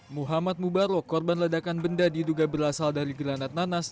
muhammad mubarok korban ledakan benda diduga berasal dari granat nanas